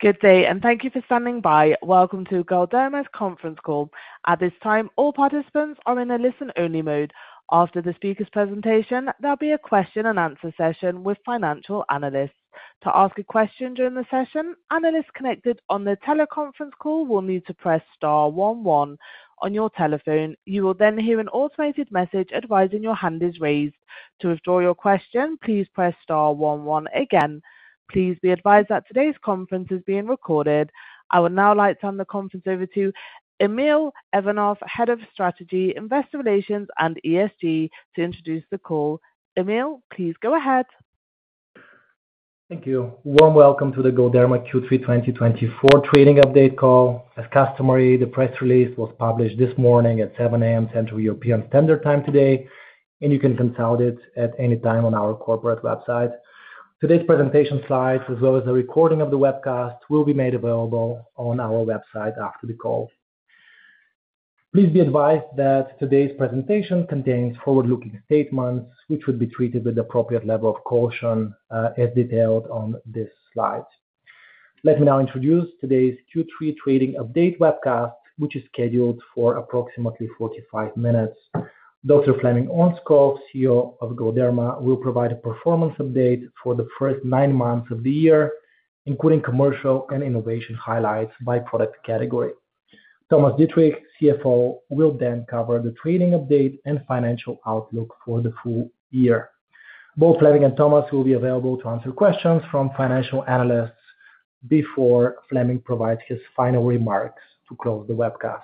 Good day, and thank you for standing by. Welcome to Galderma's Conference Call. At this time, all participants are in a listen-only mode. After the speaker's presentation, there'll be a question and answer session with financial analysts. To ask a question during the session, analysts connected on the teleconference call will need to press star one one on your telephone. You will then hear an automated message advising your hand is raised. To withdraw your question, please press star one one again. Please be advised that today's conference is being recorded. I would now like to hand the conference over to Emil Ivanov, Head of Strategy, Investor Relations and ESG, to introduce the call. Emil, please go ahead. Thank you. Warm welcome to the Galderma Q3 2024 trading update call. As customary, the press release was published this morning at 7:00 A.M., Central European Standard Time today, and you can consult it at any time on our corporate website. Today's presentation slides, as well as a recording of the webcast, will be made available on our website after the call. Please be advised that today's presentation contains forward-looking statements, which would be treated with the appropriate level of caution, as detailed on this slide. Let me now introduce today's Q3 trading update webcast, which is scheduled for approximately 45 minutes. Dr. Flemming Ørnskov, CEO of Galderma, will provide a performance update for the first nine months of the year, including commercial and innovation highlights by product category. Thomas Dittrich, CFO, will then cover the trading update and financial outlook for the full year. Both Flemming and Thomas will be available to answer questions from financial analysts before Flemming provides his final remarks to close the webcast.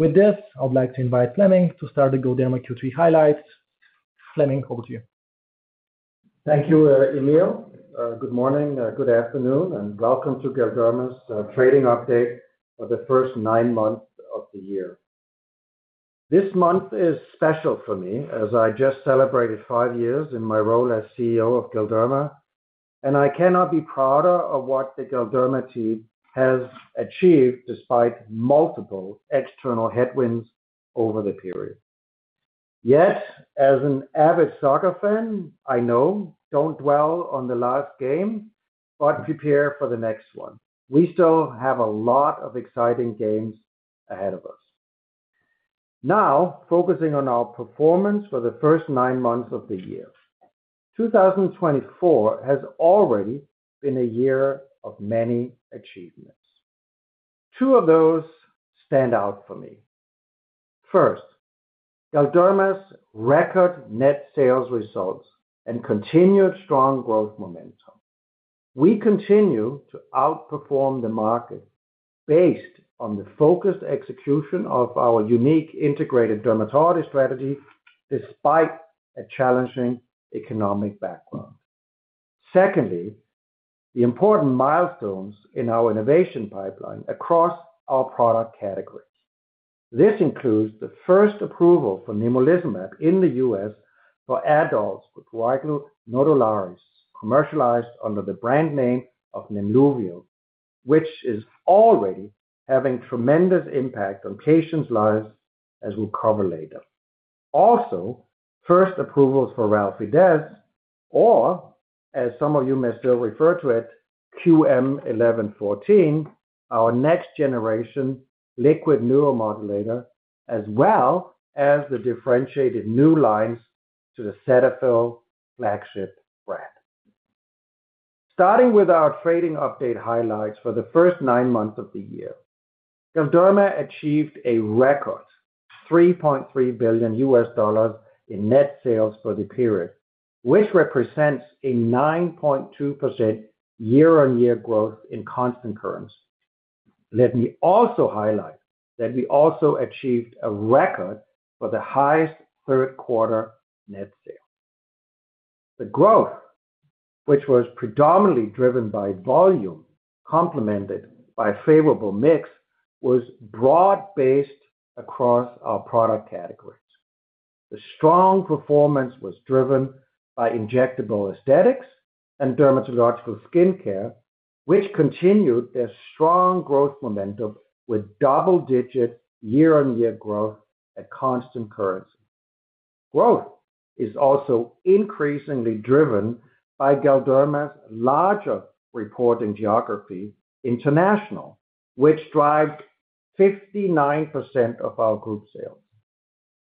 With this, I would like to invite Flemming to start the Galderma Q3 highlights. Flemming, over to you. Thank you, Emil. Good morning, good afternoon, and welcome to Galderma's trading update for the first nine months of the year. This month is special for me, as I just celebrated five years in my role as CEO of Galderma, and I cannot be prouder of what the Galderma team has achieved despite multiple external headwinds over the period. Yet, as an avid soccer fan, I know don't dwell on the last game, but prepare for the next one. We still have a lot of exciting games ahead of us. Now, focusing on our performance for the first nine months of the year. 2024 has already been a year of many achievements. Two of those stand out for me. First, Galderma's record net sales results and continued strong growth momentum. We continue to outperform the market based on the focused execution of our unique integrated dermatology strategy, despite a challenging economic background. Secondly, the important milestones in our innovation pipeline across our product categories. This includes the first approval for nemolizumab in the U.S. for adults with prurigo nodularis, commercialized under the brand name of Nemluvio, which is already having tremendous impact on patients' lives, as we'll cover later. Also, first approvals for Relfydess, or as some of you may still refer to it, QM-1114, our next generation liquid neuromodulator, as well as the differentiated new lines to the Cetaphil flagship brand. Starting with our trading update highlights for the first nine months of the year, Galderma achieved a record $3.3 billion in net sales for the period, which represents a 9.2% year-on-year growth in constant currency. Let me also highlight that we also achieved a record for the highest third quarter net sales. The growth, which was predominantly driven by volume, complemented by favorable mix, was broad-based across our product categories. The strong performance was driven by injectable aesthetics and dermatological skincare, which continued their strong growth momentum with double-digit year-on-year growth at constant currency. Growth is also increasingly driven by Galderma's larger reporting geography, international, which drives 59% of our group sales.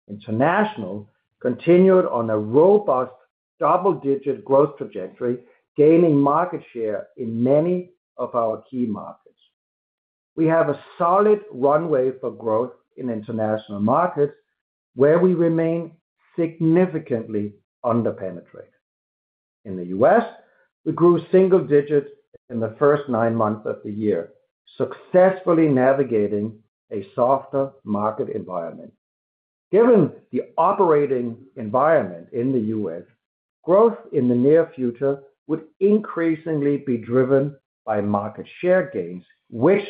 International continued on a robust double-digit growth trajectory, gaining market share in many of our key markets. We have a solid runway for growth in international markets, where we remain significantly under-penetrated. In the U.S., we grew single digits in the first nine months of the year, successfully navigating a softer market environment. Given the operating environment in the US, growth in the near future would increasingly be driven by market share gains, which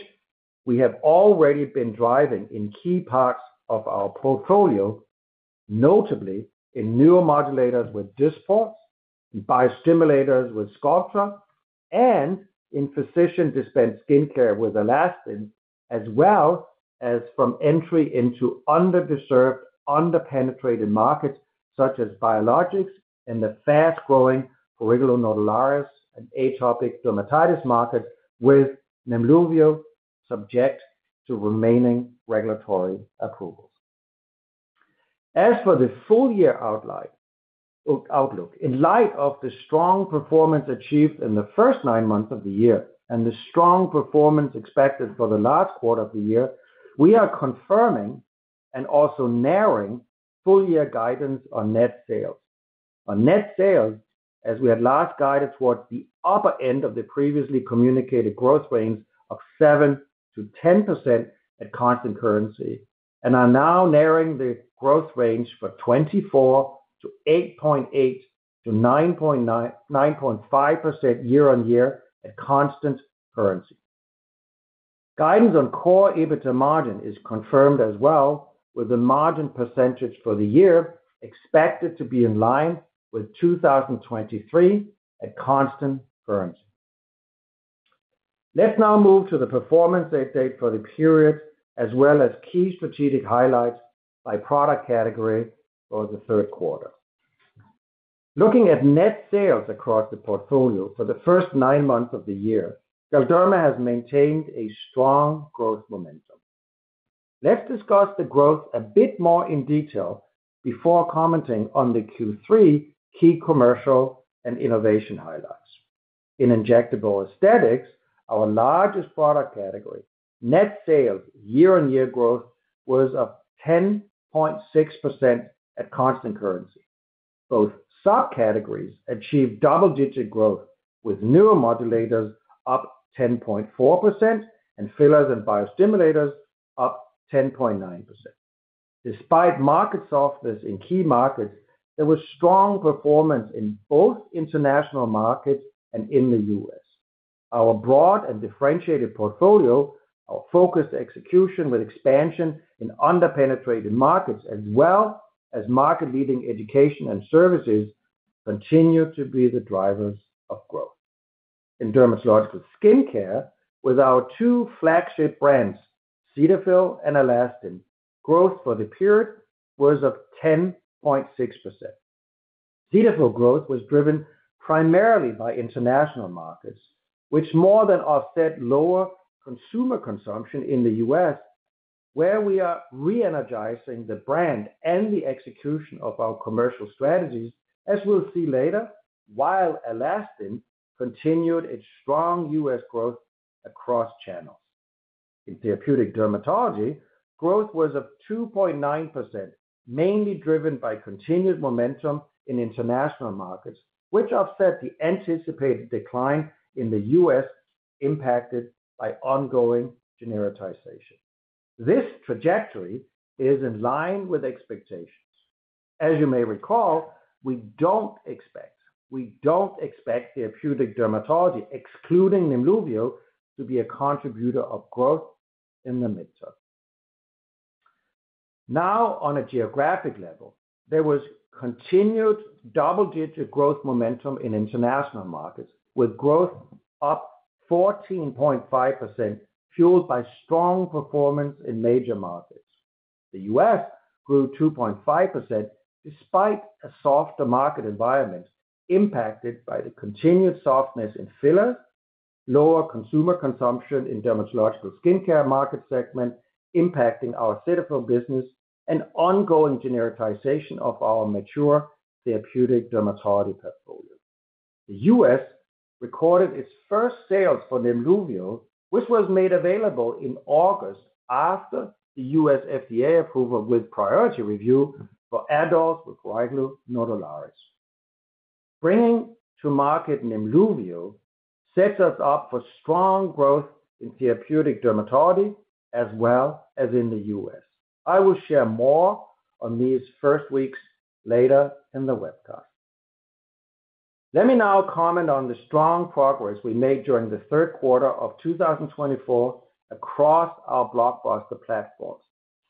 we have already been driving in key parts of our portfolio, notably in neuromodulators with Dysport, biostimulators with Sculptra, and in physician-dispensed skincare with Alastin, as well as from entry into under-served, under-penetrated markets, such as biologics and the fast-growing prurigo nodularis and atopic dermatitis market, with Nemluvio, subject to remaining regulatory approvals. As for the full year outlook, in light of the strong performance achieved in the first nine months of the year, and the strong performance expected for the last quarter of the year, we are confirming and also narrowing full-year guidance on net sales. On net sales, as we had last guided towards the upper end of the previously communicated growth range of 7-10% at constant currency, and are now narrowing the growth range for 2024 to 8.8-9.9% - 9.5% year-on-year at constant currency. Guidance on Core EBITDA margin is confirmed as well, with the margin percentage for the year expected to be in line with 2023 at constant currency. Let's now move to the performance I state for the period, as well as key strategic highlights by product category for the third quarter. Looking at net sales across the portfolio for the first nine months of the year, Galderma has maintained a strong growth momentum. Let's discuss the growth a bit more in detail before commenting on the Q3 key commercial and innovation highlights. In injectable aesthetics, our largest product category, net sales year-on-year growth was up 10.6% at constant currency. Both sub-categories achieved double-digit growth, with neuromodulators up 10.4%, and fillers and biostimulators up 10.9%. Despite market softness in key markets, there was strong performance in both international markets and in the U.S. Our broad and differentiated portfolio, our focused execution with expansion in under-penetrated markets, as well as market-leading education and services, continue to be the drivers of growth. In dermatological skincare, with our two flagship brands, Cetaphil and Alastin, growth for the period was of 10.6%. Cetaphil growth was driven primarily by international markets, which more than offset lower consumer consumption in the U.S., where we are re-energizing the brand and the execution of our commercial strategies, as we'll see later, while Alastin continued its strong U.S. growth across channels. In therapeutic dermatology, growth was 2.9%, mainly driven by continued momentum in international markets, which offset the anticipated decline in the U.S., impacted by ongoing genericization. This trajectory is in line with expectations. As you may recall, we don't expect, we don't expect therapeutic dermatology, excluding Nemluvio, to be a contributor of growth in the midterm. Now, on a geographic level, there was continued double-digit growth momentum in international markets, with growth up 14.5%, fueled by strong performance in major markets. The US grew 2.5%, despite a softer market environment, impacted by the continued softness in fillers, lower consumer consumption in dermatological skincare market segment, impacting our Cetaphil business, and ongoing genericization of our mature therapeutic dermatology portfolio. The US recorded its first sales for Nemluvio, which was made available in August, after the US FDA approval with priority review for adults with prurigo nodularis. Bringing to market Nemluvio sets us up for strong growth in therapeutic dermatology, as well as in the US. I will share more on these first weeks later in the webcast. Let me now comment on the strong progress we made during the third quarter of 2024 across our blockbuster platforms,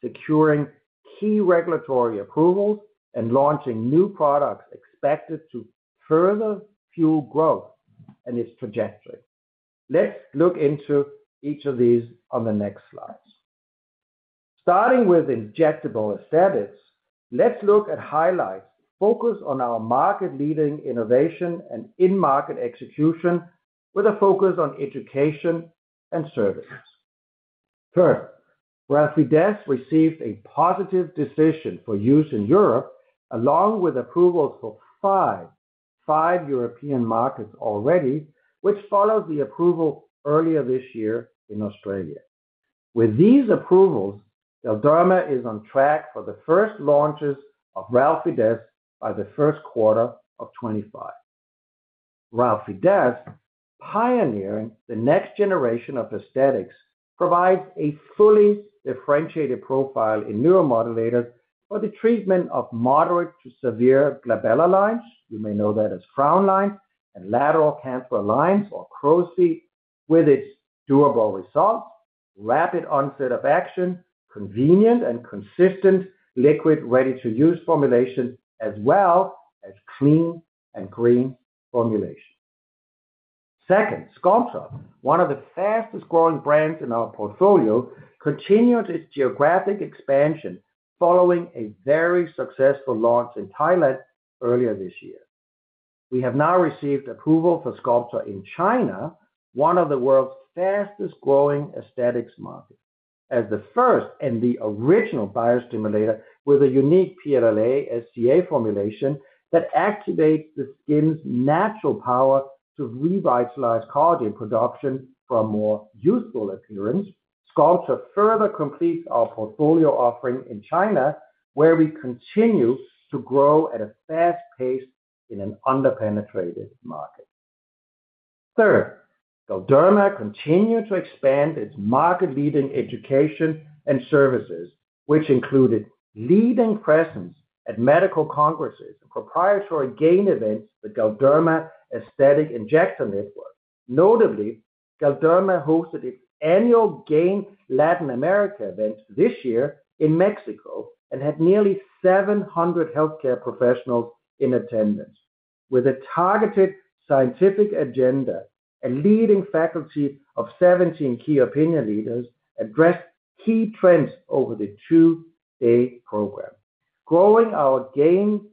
securing key regulatory approvals and launching new products expected to further fuel growth and its trajectory. Let's look into each of these on the next slides. Starting with injectable aesthetics, let's look at highlights, focused on our market-leading innovation and in-market execution, with a focus on education and services. First, Relfydess received a positive decision for use in Europe, along with approvals for five European markets already, which followed the approval earlier this year in Australia. With these approvals, Galderma is on track for the first launches of Relfydess by the first quarter of 2025. Relfydess, pioneering the next generation of aesthetics, provides a fully differentiated profile in neuromodulators for the treatment of moderate to severe glabellar lines, you may know that as frown lines, and lateral canthal lines or crow's feet, with its durable results, rapid onset of action, convenient and consistent liquid, ready-to-use formulation, as well as clean and green formulation... Second, Sculptra, one of the fastest growing brands in our portfolio, continued its geographic expansion following a very successful launch in Thailand earlier this year. We have now received approval for Sculptra in China, one of the world's fastest growing aesthetics market. As the first and the original biostimulator, with a unique PLLA-SCA formulation that activates the skin's natural power to revitalize collagen production for a more youthful appearance, Sculptra further completes our portfolio offering in China, where we continue to grow at a fast pace in an under-penetrated market. Third, Galderma continued to expand its market-leading education and services, which included leading presence at medical congresses and proprietary GAIN events, the Galderma Aesthetic Injector Network. Notably, Galderma hosted its annual GAIN Latin America event this year in Mexico, and had nearly seven hundred healthcare professionals in attendance. With a targeted scientific agenda, a leading faculty of 17 key opinion leaders addressed key trends over the two-day program. Growing our GAIN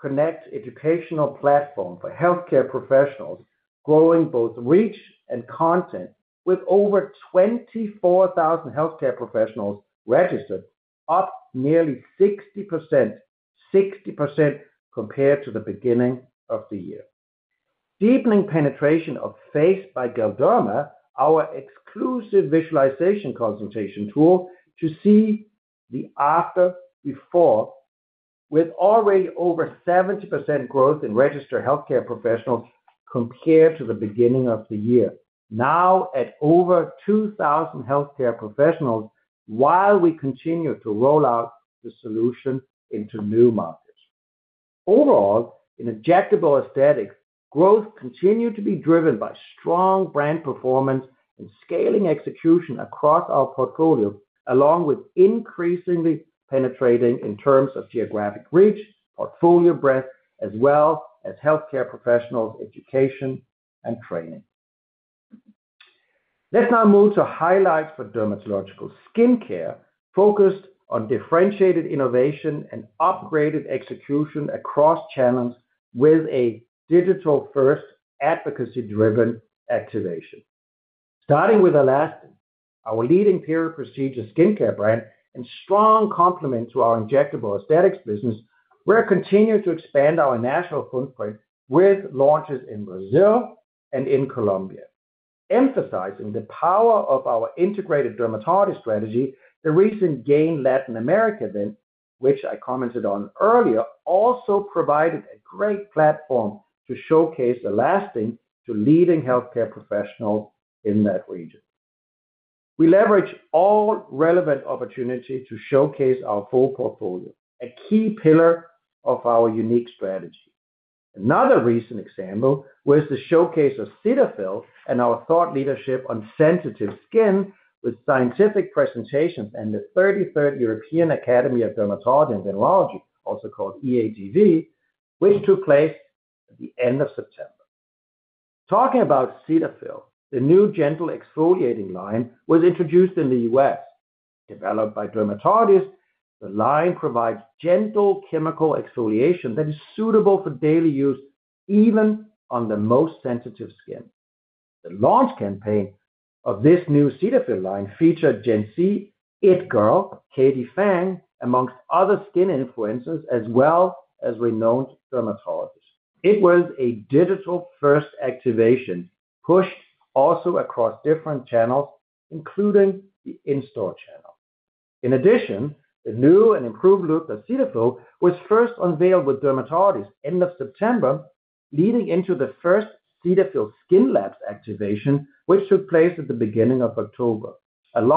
Connect educational platform for healthcare professionals, growing both reach and content with over 24,000 healthcare professionals registered, up nearly 60%, 60% compared to the beginning of the year. Deepening penetration of FACE by Galderma, our exclusive visualization consultation tool, to see the after, before, with already over 70% growth in registered healthcare professionals compared to the beginning of the year. Now at over 2,000 healthcare professionals, while we continue to roll out the solution into new markets. Overall, in injectable aesthetics, growth continued to be driven by strong brand performance and scaling execution across our portfolio, along with increasingly penetrating in terms of geographic reach, portfolio breadth, as well as healthcare professional education and training. Let's now move to highlights for dermatological skincare, focused on differentiated innovation and upgraded execution across channels with a digital-first, advocacy-driven activation. Starting with Alastin, our leading peri-procedure skincare brand and strong complement to our injectable aesthetics business, we're continuing to expand our national footprint with launches in Brazil and in Colombia. Emphasizing the power of our integrated dermatology strategy, the recent GAIN Latin America event, which I commented on earlier, also provided a great platform to showcase Alastin to leading healthcare professionals in that region. We leverage all relevant opportunity to showcase our full portfolio, a key pillar of our unique strategy. Another recent example was the showcase of Cetaphil and our thought leadership on sensitive skin, with scientific presentations and the 33rd European Academy of Dermatology and Venereology, also called EADV, which took place at the end of September. Talking about Cetaphil, the new gentle exfoliating line was introduced in the U.S. Developed by dermatologists, the line provides gentle chemical exfoliation that is suitable for daily use, even on the most sensitive skin. The launch campaign of this new Cetaphil line featured Gen Z It Girl, Katie Fang, among other skin influencers, as well as renowned dermatologists. It was a digital-first activation, pushed also across different channels, including the in-store channel. In addition, the new and improved look of Cetaphil was first unveiled with dermatologists end of September, leading into the first Cetaphil Skin Labs activation, which took place at the beginning of October, and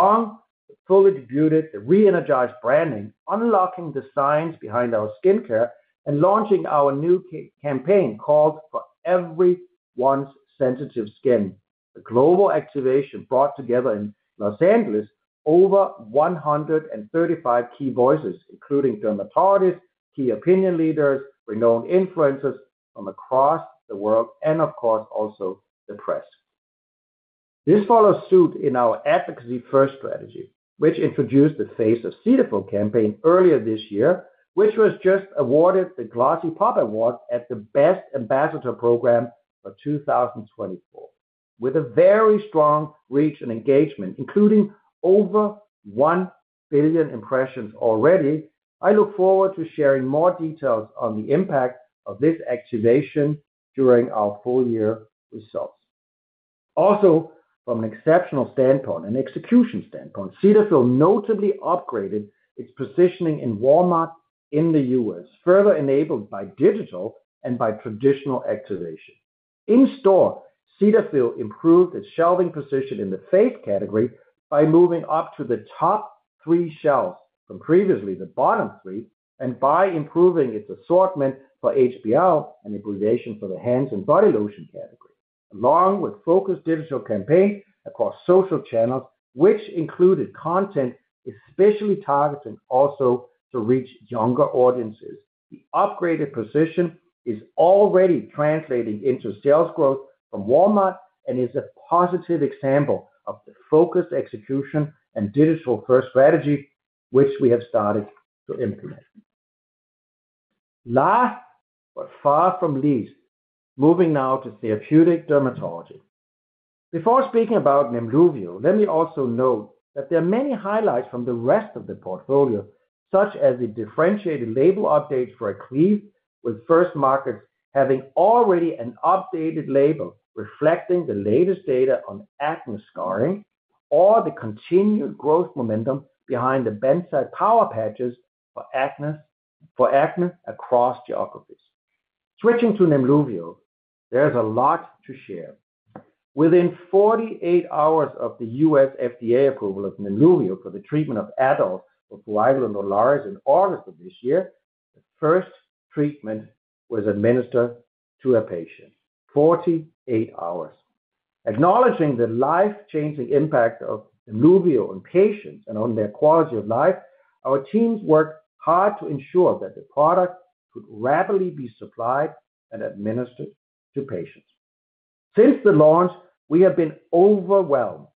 fully debuted the re-energized branding, unlocking the science behind our skincare and launching our new campaign, called For Everyone's Sensitive Skin. The global activation brought together in Los Angeles over 135 key voices, including dermatologists, key opinion leaders, renowned influencers from across the world, and of course also the press. This follows suit in our advocacy-first strategy, which introduced the Face of Cetaphil campaign earlier this year, which was just awarded the Glossy Pop Award as the best ambassador program for 2024. With a very strong reach and engagement, including over 1 billion impressions already, I look forward to sharing more details on the impact of this activation during our full year results. Also, from an exceptional standpoint and execution standpoint, Cetaphil notably upgraded its positioning in Walmart in the U.S., further enabled by digital and by traditional activation. In store, Cetaphil improved its shelving position in the face category by moving up to the top three shelves from previously the bottom three, and by improving its assortment for HBL, an abbreviation for the hands and body lotion category, along with focused digital campaign across social channels, which included content, especially targeting also to reach younger audiences. The upgraded position is already translating into sales growth from Walmart, and is a positive example of the focused execution and digital-first strategy, which we have started to implement. Last, but far from least, moving now to therapeutic dermatology. Before speaking about Nemluvio, let me also note that there are many highlights from the rest of the portfolio, such as the differentiated label updates for Aklief, with first markets having already an updated label, reflecting the latest data on acne scarring, or the continued growth momentum behind the Benzoyl Peroxide Power Patches for acne across geographies. Switching to Nemluvio, there is a lot to share. Within 48 hours of the U.S. FDA approval of Nemluvio for the treatment of adults with prurigo nodularis in August of this year, the first treatment was administered to a patient, 48 hours. Acknowledging the life-changing impact of Nemluvio on patients and on their quality of life, our teams worked hard to ensure that the product could rapidly be supplied and administered to patients. Since the launch, we have been overwhelmed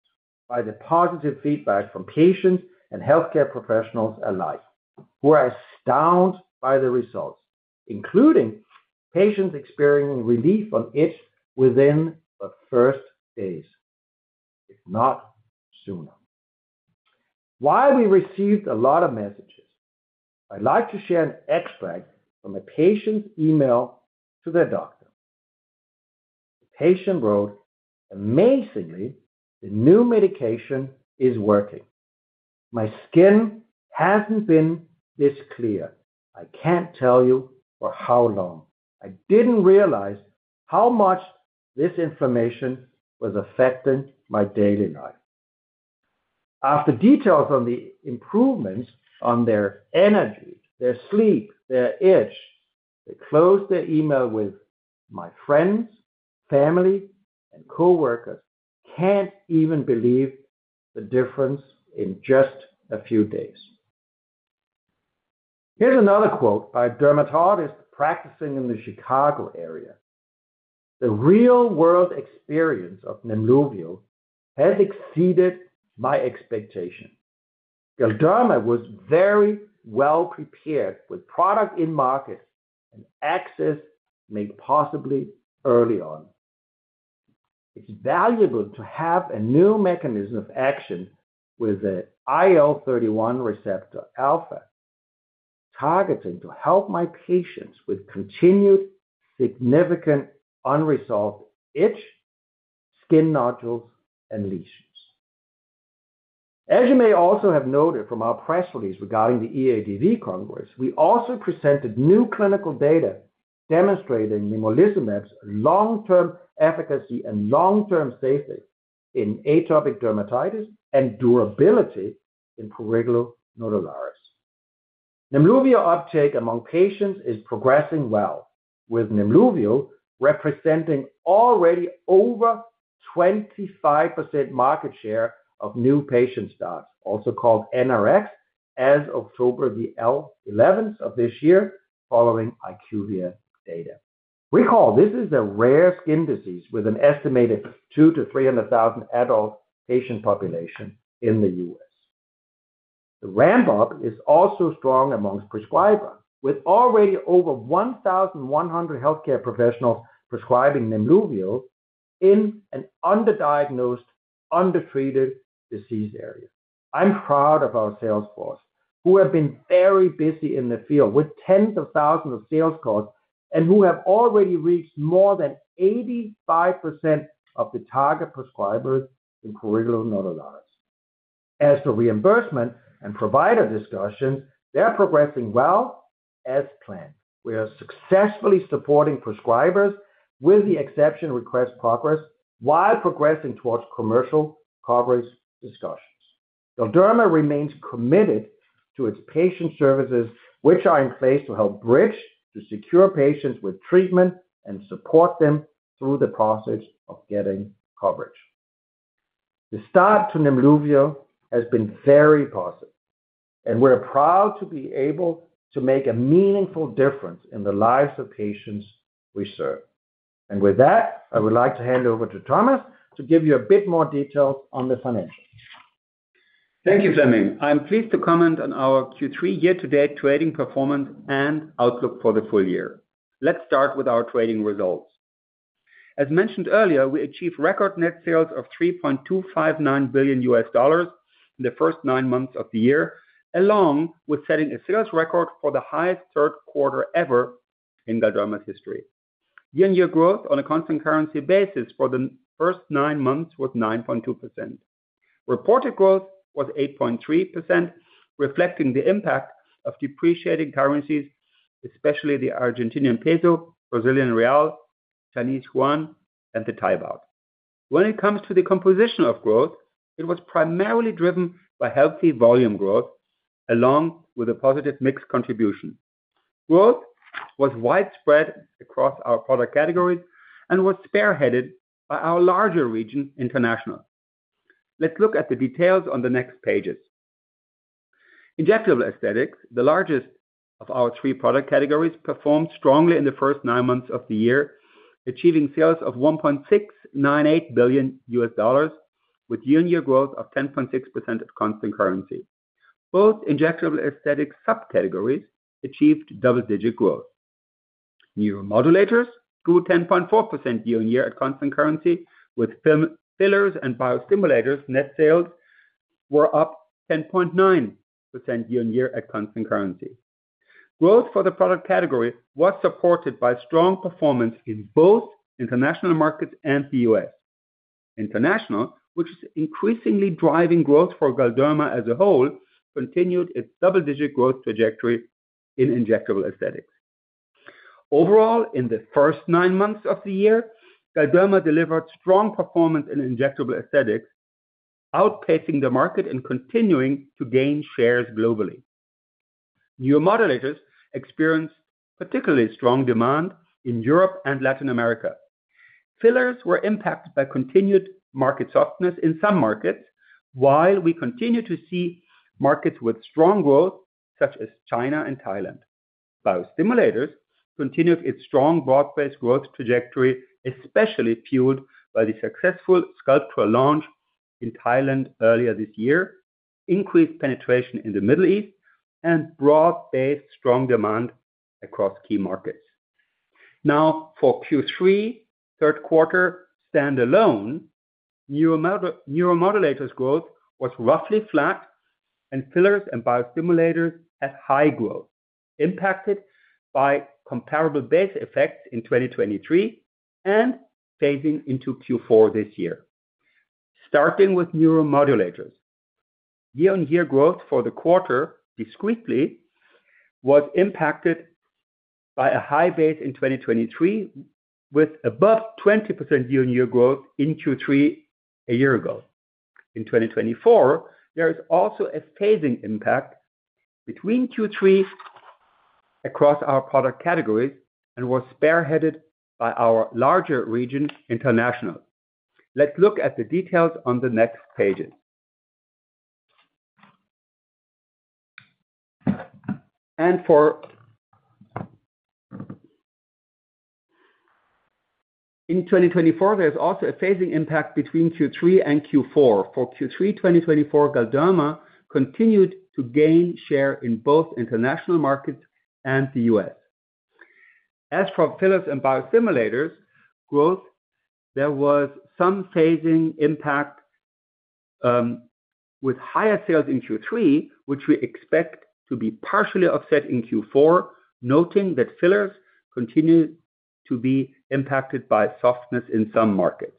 by the positive feedback from patients and healthcare professionals alike, who are astounded by the results, including patients experiencing relief from itch within the first days, if not sooner. While we received a lot of messages, I'd like to share an extract from a patient's email to their doctor. The patient wrote, "Amazingly, the new medication is working. My skin hasn't been this clear, I can't tell you for how long. I didn't realize how much this inflammation was affecting my daily life." After details on the improvements on their energy, their sleep, their itch, they closed their email with, "My friends, family, and coworkers can't even believe the difference in just a few days." Here's another quote by a dermatologist practicing in the Chicago area: "The real-world experience of Nemluvio has exceeded my expectation. Galderma was very well prepared with product in market and access made possibly early on. It's valuable to have a new mechanism of action with an IL-31 receptor alpha, targeting to help my patients with continued, significant, unresolved itch, skin nodules, and lesions." As you may also have noted from our press release regarding the EADV Congress, we also presented new clinical data demonstrating nemolizumab's long-term efficacy and long-term safety in atopic dermatitis, and durability in prurigo nodularis. Nemluvio uptake among patients is progressing well, with Nemluvio representing already over 25% market share of new patient starts, also called NRX, as of October the eleventh of this year, following IQVIA data. Recall, this is a rare skin disease with an estimated 200,000-300,000 adult patient population in the U.S. The ramp-up is also strong among prescribers, with already over 1,100 healthcare professionals prescribing Nemluvio in an underdiagnosed, undertreated disease area. I'm proud of our sales force, who have been very busy in the field with tens of thousands of sales calls and who have already reached more than 85% of the target prescribers in prurigo nodularis. As for reimbursement and provider discussions, they're progressing well as planned. We are successfully supporting prescribers with the exception request progress, while progressing towards commercial coverage discussions. Galderma remains committed to its patient services, which are in place to help bridge to secure patients with treatment and support them through the process of getting coverage. The start to Nemluvio has been very positive, and we're proud to be able to make a meaningful difference in the lives of patients we serve. With that, I would like to hand over to Thomas to give you a bit more details on the financials. Thank you, Flemming. I'm pleased to comment on our Q3 year-to-date trading performance and outlook for the full year. Let's start with our trading results. As mentioned earlier, we achieved record net sales of $3.259 billion in the first nine months of the year, along with setting a sales record for the highest third quarter ever in Galderma's history. Year-on-year growth on a constant currency basis for the first nine months was 9.2%. Reported growth was 8.3%, reflecting the impact of depreciating currencies, especially the Argentine peso, Brazilian real, Chinese yuan, and the Thai baht. When it comes to the composition of growth, it was primarily driven by healthy volume growth, along with a positive mix contribution. Growth was widespread across our product categories and was spearheaded by our larger region, international. Let's look at the details on the next pages. Injectable aesthetics, the largest of our three product categories, performed strongly in the first nine months of the year, achieving sales of $1.698 billion, with year-on-year growth of 10.6% at constant currency. Both injectable aesthetics subcategories achieved double-digit growth. Neuromodulators grew 10.4% year-on-year at constant currency, with fillers and biostimulators net sales were up 10.9% year-on-year at constant currency. Growth for the product category was supported by strong performance in both international markets and the U.S. International, which is increasingly driving growth for Galderma as a whole, continued its double-digit growth trajectory in injectable aesthetics. Overall, in the first nine months of the year, Galderma delivered strong performance in injectable aesthetics, outpacing the market and continuing to gain shares globally. Neuromodulators experienced particularly strong demand in Europe and Latin America. Fillers were impacted by continued market softness in some markets, while we continue to see markets with strong growth, such as China and Thailand. Biostimulators continued its strong broad-based growth trajectory, especially fueled by the successful Sculptra launch in Thailand earlier this year, increased penetration in the Middle East, and broad-based strong demand across key markets. Now, for Q3, third quarter stand-alone, neuromodulators growth was roughly flat, and fillers and biostimulators had high growth, impacted by comparable base effects in 2023 and phasing into Q4 this year. Starting with neuromodulators. Year-on-year growth for the quarter, discretely, was impacted by a high base in 2023, with above 20% year-on-year growth in Q3 a year ago. In 2024, there's also a phasing impact between Q3 and Q4. For Q3 2024, Galderma continued to gain share in both international markets and the U.S. As for fillers and biostimulators growth, there was some phasing impact with higher sales in Q3, which we expect to be partially offset in Q4, noting that fillers continue to be impacted by softness in some markets.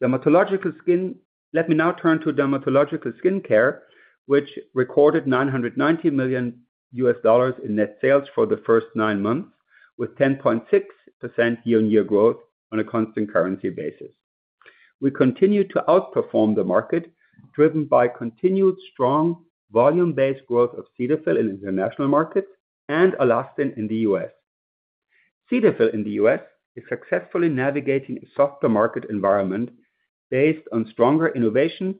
Let me now turn to dermatological skin care, which recorded $990 million in net sales for the first nine months, with 10.6% year-on-year growth on a constant currency basis. We continue to outperform the market, driven by continued strong volume-based growth of Cetaphil in international markets and Alastin in the U.S. Cetaphil in the U.S. is successfully navigating a softer market environment based on stronger innovation,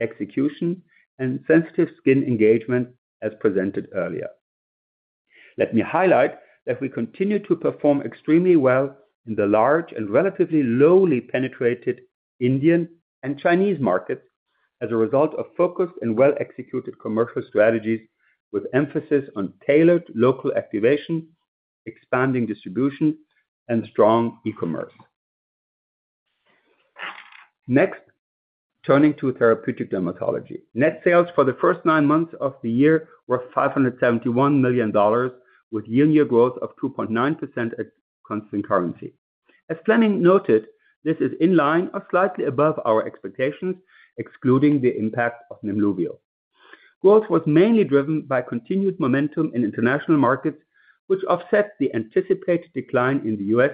execution, and sensitive skin engagement, as presented earlier. Let me highlight that we continue to perform extremely well in the large and relatively lowly penetrated Indian and Chinese markets as a result of focused and well-executed commercial strategies, with emphasis on tailored local activation, expanding distribution, and strong e-commerce. Next, turning to therapeutic dermatology. Net sales for the first nine months of the year were $571 million, with year-on-year growth of 2.9% at constant currency. As Flemming noted, this is in line or slightly above our expectations, excluding the impact of Nemluvio. Growth was mainly driven by continued momentum in international markets, which offset the anticipated decline in the U.S.,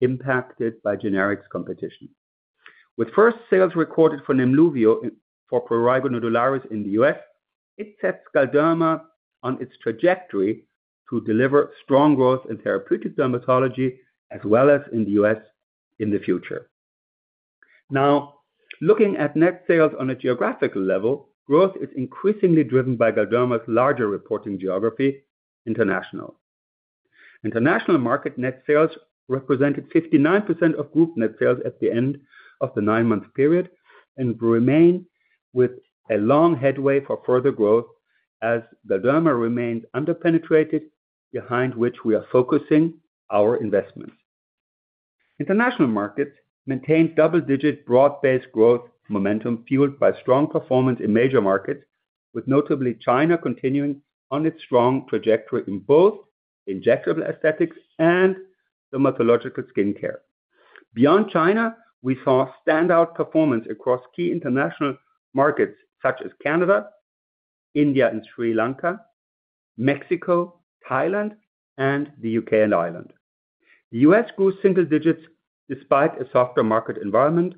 impacted by generics competition. With first sales recorded for Nemluvio for prurigo nodularis in the U.S., it sets Galderma on its trajectory to deliver strong growth in therapeutic dermatology, as well as in the US in the future. Now, looking at net sales on a geographical level, growth is increasingly driven by Galderma's larger reporting geography, international. International market net sales represented 59% of group net sales at the end of the nine-month period and will remain with a long headway for further growth as Galderma remains underpenetrated, behind which we are focusing our investments. International markets maintained double-digit, broad-based growth momentum, fueled by strong performance in major markets, with notably China continuing on its strong trajectory in both injectable aesthetics and dermatological skincare. Beyond China, we saw standout performance across key international markets such as Canada, India and Sri Lanka, Mexico, Thailand, and the U.K., and Ireland. The U.S. grew single digits despite a softer market environment,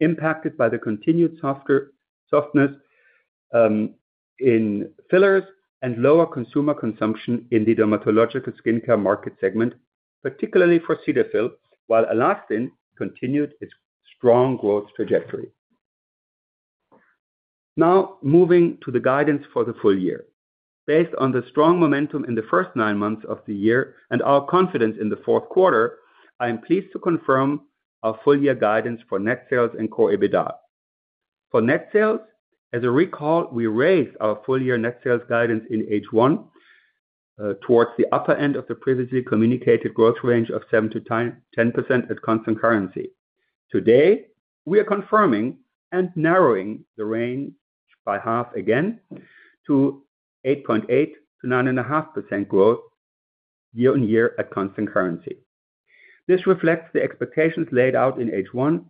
impacted by the continued softness in fillers and lower consumer consumption in the dermatological skincare market segment, particularly for Cetaphil, while Alastin continued its strong growth trajectory. Now, moving to the guidance for the full year. Based on the strong momentum in the first nine months of the year and our confidence in the fourth quarter, I am pleased to confirm our full year guidance for net sales and Core EBITDA. For net sales, as a recall, we raised our full year net sales guidance in H1 towards the upper end of the previously communicated growth range of 7%-10% at constant currency. Today, we are confirming and narrowing the range by half again to 8.8%-9.5% growth year on year at constant currency. This reflects the expectations laid out in H1,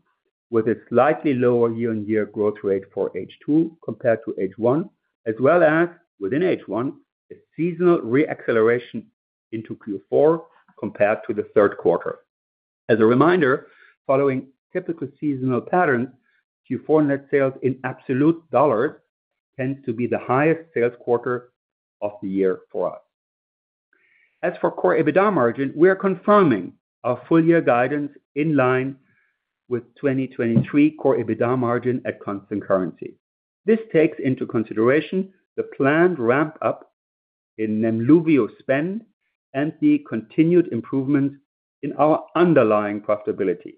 with a slightly lower year-on-year growth rate for H2 compared to H1, as well as within H1, a seasonal re-acceleration into Q4 compared to the third quarter. As a reminder, following typical seasonal patterns, Q4 net sales in absolute dollars tends to be the highest sales quarter of the year for us. As for Core EBITDA margin, we are confirming our full year guidance in line with 2023 Core EBITDA margin at constant currency. This takes into consideration the planned ramp up in Nemluvio spend and the continued improvement in our underlying profitability.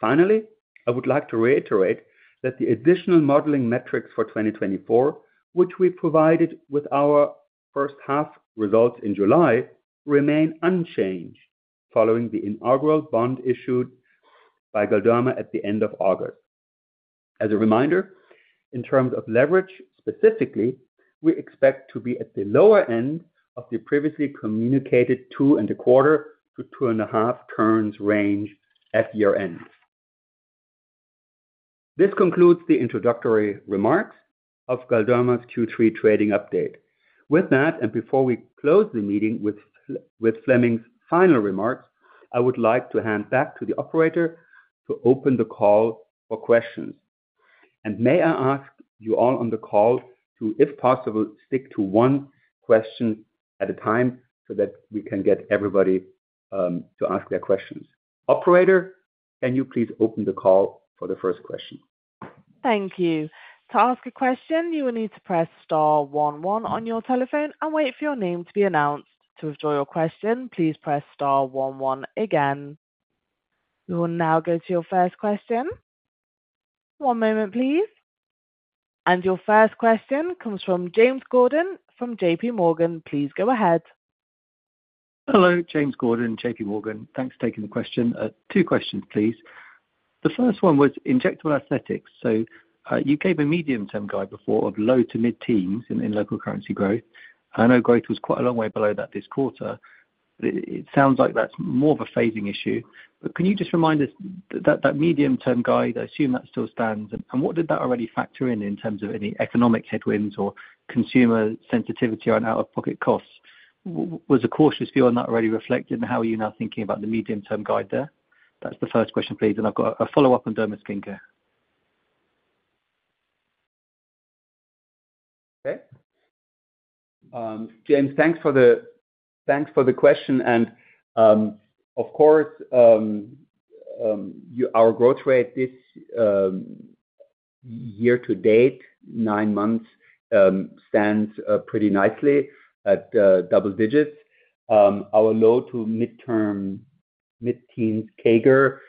Finally, I would like to reiterate that the additional modeling metrics for 2024, which we provided with our first half results in July, remain unchanged following the inaugural bond issued by Galderma at the end of August. As a reminder, in terms of leverage, specifically, we expect to be at the lower end of the previously communicated 2.25-2.5 turns range at year end. This concludes the introductory remarks of Galderma's Q3 trading update. With that, and before we close the meeting with Flemming's final remarks, I would like to hand back to the operator to open the call for questions. May I ask you all on the call to, if possible, stick to one question at a time so that we can get everybody to ask their questions. Operator, can you please open the call for the first question? Thank you. To ask a question, you will need to press star one one on your telephone and wait for your name to be announced. To withdraw your question, please press star one one again. We will now go to your first question. One moment, please. And your first question comes from James Gordon, from JP Morgan. Please go ahead. Hello, James Gordon, JP Morgan. Thanks for taking the question. Two questions, please. The first one was injectable aesthetics. So, you gave a medium-term guide before of low to mid-teens in local currency growth. I know growth was quite a long way below that this quarter. It sounds like that's more of a phasing issue, but can you just remind us that that medium term guide, I assume that still stands, and what did that already factor in, in terms of any economic headwinds or consumer sensitivity on out-of-pocket costs? Was a cautious view on that already reflected, and how are you now thinking about the medium-term guide there? That's the first question, please, and I've got a follow-up on Derma skincare. Okay. James, thanks for the question and, of course, our growth rate this year to date, nine months, stands pretty nicely at double digits. Our low- to mid-teens CAGR,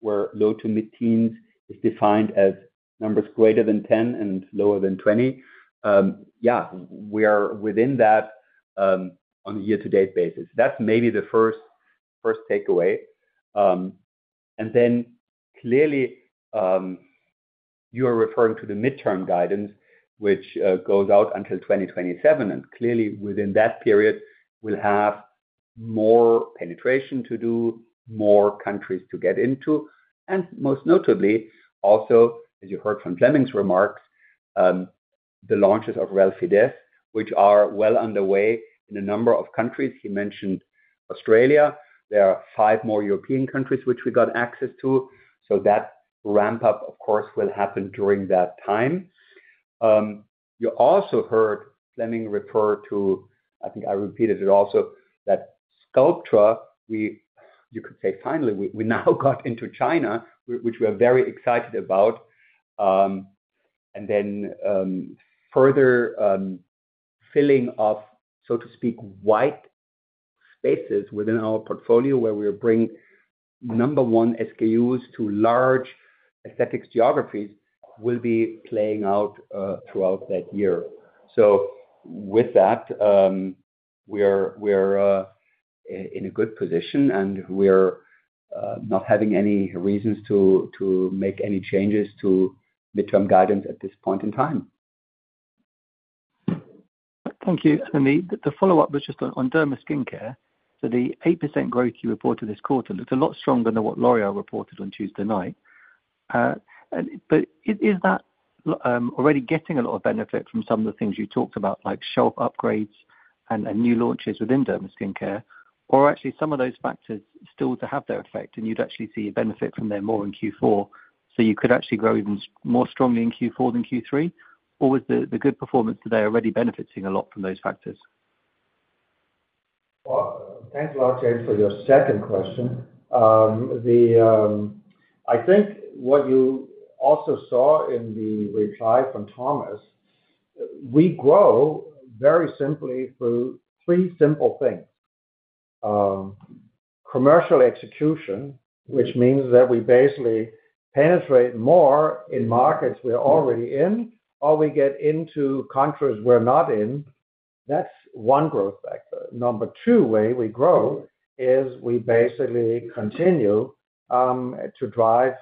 where low- to mid-teens is defined as numbers greater than 10 and lower than 20. Yeah, we are within that on a year-to-date basis. That's maybe the first takeaway. Then clearly, you are referring to the midterm guidance, which goes out until 2027, and clearly within that period, we'll have more penetration to do, more countries to get into, and most notably, also, as you heard from Flemming's remarks, the launches of Relfydess, which are well underway in a number of countries. He mentioned Australia. There are five more European countries which we got access to, so that ramp up, of course, will happen during that time. You also heard Flemming refer to... I think I repeated it also, that Sculptra, you could say finally, we now got into China, which we are very excited about, and then further filling of, so to speak, white spaces within our portfolio, where we are bringing number one SKUs to large aesthetics geographies, will be playing out throughout that year, so with that, we're in a good position and we're not having any reasons to make any changes to midterm guidance at this point in time. ... Thank you. And the follow-up was just on derma skincare. So the 8% growth you reported this quarter looked a lot stronger than what L'Oréal reported on Tuesday night. And but is that already getting a lot of benefit from some of the things you talked about, like shelf upgrades and new launches within derma skincare? Or actually some of those factors still to have their effect, and you'd actually see a benefit from them more in Q4, so you could actually grow even more strongly in Q4 than Q3? Or was the good performance today already benefiting a lot from those factors? Thanks a lot, James, for your second question. I think what you also saw in the reply from Thomas, we grow very simply through three simple things. Commercial execution, which means that we basically penetrate more in markets we're already in, or we get into countries we're not in. That's one growth factor. Number two way we grow is we basically continue to drive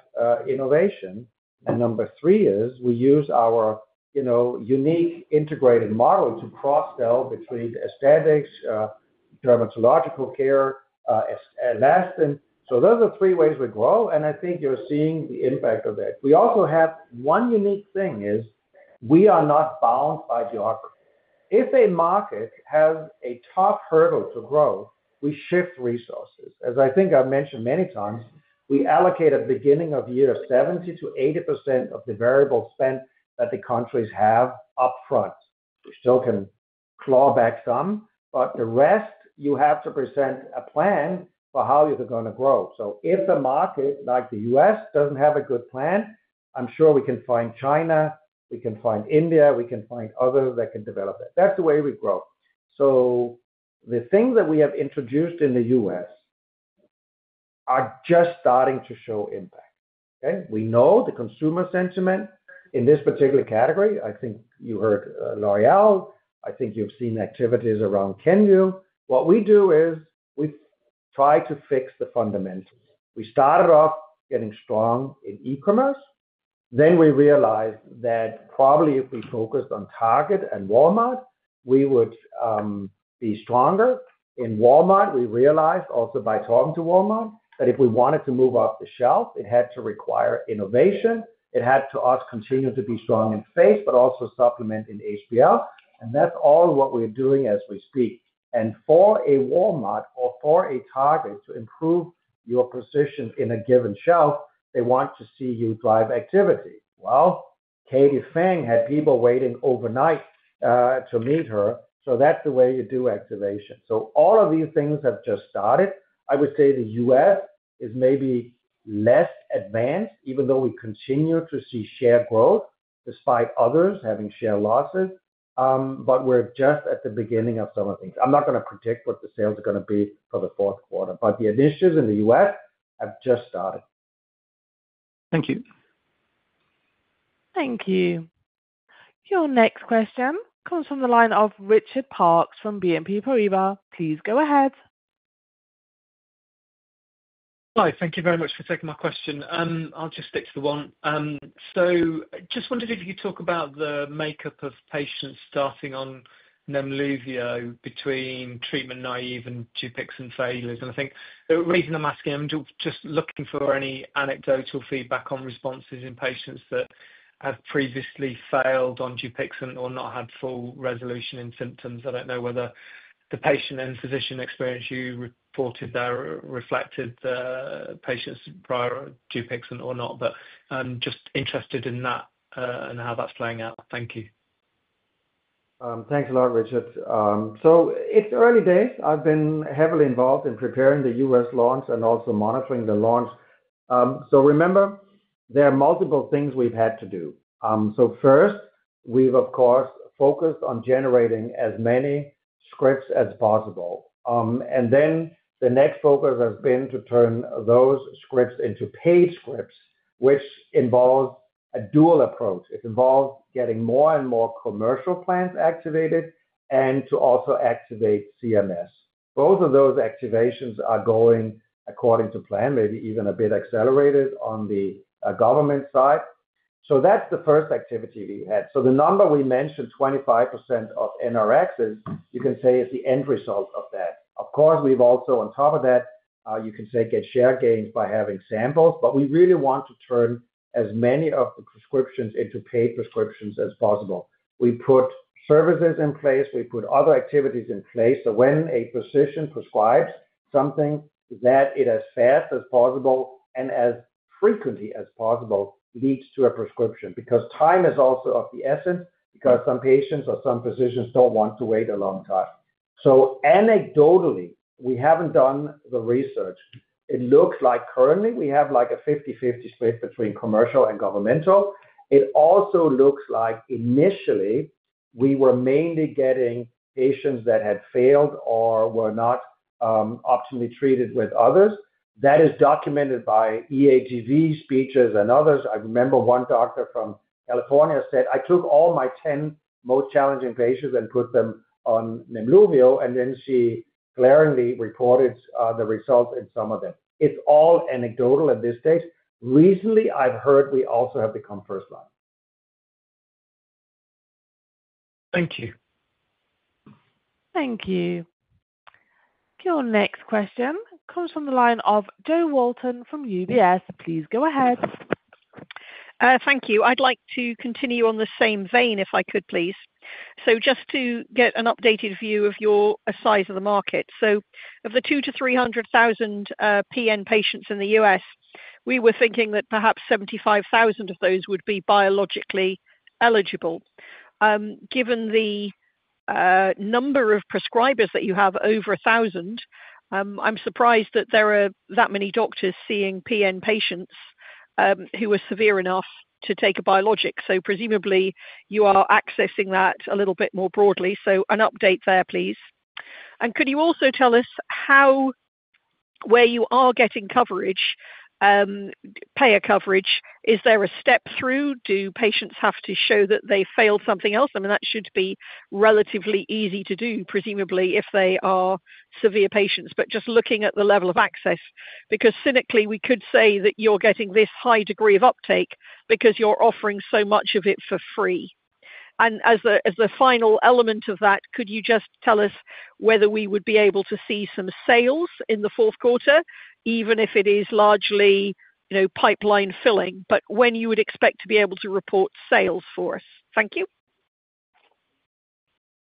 innovation. And number three is we use our, you know, unique integrated model to cross-sell between aesthetics, dermatological care, Alastin. So those are three ways we grow, and I think you're seeing the impact of that. We also have one unique thing is, we are not bound by geography. If a market has a tough hurdle to grow, we shift resources. As I think I've mentioned many times, we allocate at beginning of year, 70%-80% of the variable spend that the countries have upfront. We still can claw back some, but the rest, you have to present a plan for how you're gonna grow. So if the market, like the US, doesn't have a good plan, I'm sure we can find China, we can find India, we can find others that can develop it. That's the way we grow. So the things that we have introduced in the US are just starting to show impact. Okay? We know the consumer sentiment in this particular category. I think you heard, L'Oréal. I think you've seen activities around Kenvue. What we do is, we try to fix the fundamentals. We started off getting strong in e-commerce. We realized that probably if we focused on Target and Walmart, we would be stronger. In Walmart, we realized also by talking to Walmart, that if we wanted to move off the shelf, it had to require innovation. It had to also continue to be strong in face, but also supplement in HBL, and that's all what we're doing as we speak. For a Walmart or for a Target to improve your position in a given shelf, they want to see you drive activity. Katie Fang had people waiting overnight to meet her, so that's the way you do activation. All of these things have just started. I would say the U.S. is maybe less advanced, even though we continue to see share growth, despite others having share losses, but we're just at the beginning of some of things. I'm not gonna predict what the sales are gonna be for the fourth quarter, but the initiatives in the U.S. have just started. Thank you. Thank you. Your next question comes from the line of Richard Parkes from BNP Paribas. Please go ahead. Hi, thank you very much for taking my question. I'll just stick to the one. So just wondered if you could talk about the makeup of patients starting on Nemluvio between treatment naive and Dupixent failures, and I think the reason I'm asking, I'm just looking for any anecdotal feedback on responses in patients that have previously failed on Dupixent or not had full resolution in symptoms. I don't know whether the patient and physician experience you reported there reflected the patient's prior Dupixent or not, but I'm just interested in that, and how that's playing out. Thank you. Thanks a lot, Richard. So it's early days. I've been heavily involved in preparing the U.S. launch and also monitoring the launch. So remember, there are multiple things we've had to do. So first, we've of course focused on generating as many scripts as possible. And then the next focus has been to turn those scripts into paid scripts, which involves a dual approach. It involves getting more and more commercial plans activated and to also activate CMS. Both of those activations are going according to plan, maybe even a bit accelerated on the government side. So that's the first activity we had. So the number we mentioned, 25% of NRXs, you can say, is the end result of that. Of course, we've also on top of that, you can say, get share gains by having samples, but we really want to turn as many of the prescriptions into paid prescriptions as possible. We put services in place, we put other activities in place, so when a physician prescribes something, that it as fast as possible and as frequently as possible, leads to a prescription, because time is also of the essence, because some patients or some physicians don't want to wait a long time. So anecdotally, we haven't done the research. It looks like currently we have like a fifty-fifty split between commercial and governmental. It also looks like initially we were mainly getting patients that had failed or were not, optimally treated with others. That is documented by EADV speeches and others. I remember one doctor from California said, "I took all my 10 most challenging patients and put them on Nemluvio," and then she glaringly reported the results in some of them. It's all anecdotal at this stage. Recently, I've heard we also have become first line. Thank you. Thank you. Your next question comes from the line of Jo Walton from UBS. Please go ahead. Thank you. I'd like to continue on the same vein, if I could please. So just to get an updated view of your size of the market. So of the two to three hundred thousand PN patients in the U.S., we were thinking that perhaps 75,000 of those would be biologically eligible. Given the number of prescribers that you have over a thousand, I'm surprised that there are that many doctors seeing PN patients who are severe enough to take a biologic. So presumably, you are accessing that a little bit more broadly. So an update there, please. And could you also tell us how, where you are getting coverage, payer coverage, is there a step through? Do patients have to show that they failed something else? I mean, that should be relatively easy to do, presumably, if they are severe patients, but just looking at the level of access, because cynically, we could say that you're getting this high degree of uptake because you're offering so much of it for free. And as a final element of that, could you just tell us whether we would be able to see some sales in the fourth quarter, even if it is largely, you know, pipeline filling, but when you would expect to be able to report sales for us? Thank you.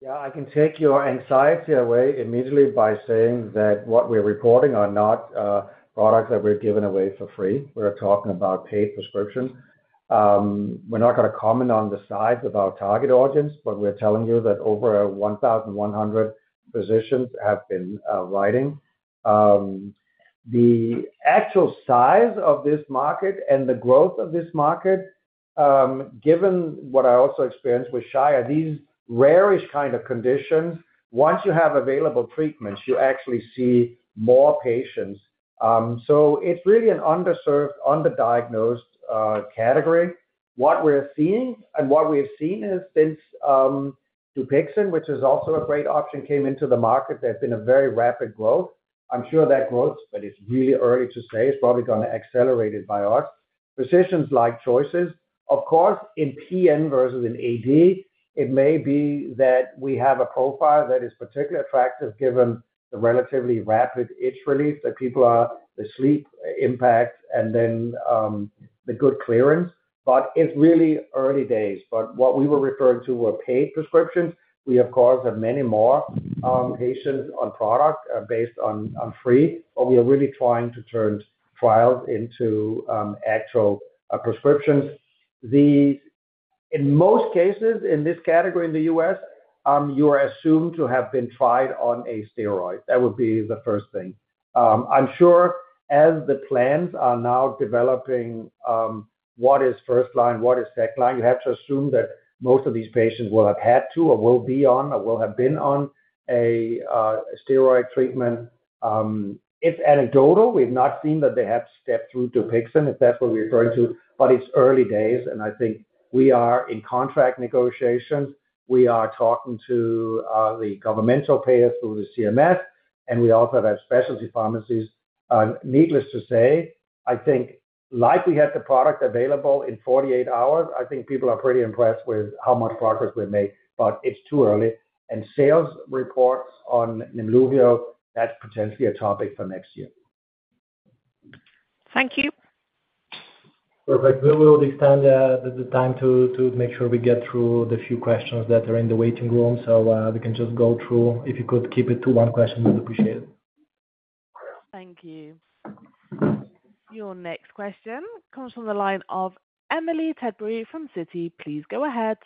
Yeah, I can take your anxiety away immediately by saying that what we're reporting are not products that we've given away for free. We're talking about paid prescription. We're not gonna comment on the size of our target audience, but we're telling you that over 1,100 physicians have been writing. The actual size of this market and the growth of this market, given what I also experienced with Shire, these rare-ish kind of conditions, once you have available treatments, you actually see more patients. So it's really an underserved, underdiagnosed category. What we're seeing and what we've seen is since Dupixent, which is also a great option, came into the market, there's been a very rapid growth. I'm sure that grows, but it's really early to say. It's probably gonna accelerate it by us. Physicians like choices. Of course, in PN versus in AD, it may be that we have a profile that is particularly attractive, given the relatively rapid itch relief that people are, the sleep impact and then, the good clearance. But it's really early days. But what we were referring to were paid prescriptions. We, of course, have many more, patients on product, based on, on free, but we are really trying to turn trials into, actual, prescriptions. The, in most cases, in this category in the U.S., you are assumed to have been tried on a steroid. That would be the first thing. I'm sure as the plans are now developing, what is first line, what is second line? You have to assume that most of these patients will have had to or will be on or will have been on a, steroid treatment. It's anecdotal. We've not seen that they have stepped through Dupixent, if that's what we're referring to, but it's early days, and I think we are in contract negotiations. We are talking to the governmental payers through the CMS, and we also have specialty pharmacies. Needless to say, I think like we have the product available in forty-eight hours, I think people are pretty impressed with how much progress we've made, but it's too early, and sales reports on Nemluvio, that's potentially a topic for next year. Thank you. Perfect. We will extend the time to make sure we get through the few questions that are in the waiting room, so we can just go through. If you could keep it to one question, we'd appreciate it. Thank you. Your next question comes from the line of Emily Tedbury from Citi. Please go ahead.